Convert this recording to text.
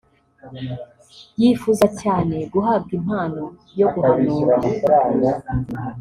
yifuze cyane guhabwa impano yo guhanura